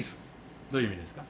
どういう意味ですか？